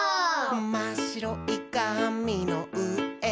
「まっしろいかみのうえをハイ！」